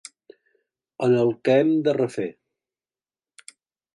En el que hem de refer.